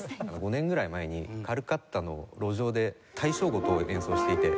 ５年ぐらい前にカルカッタの路上で大正琴を演奏していて。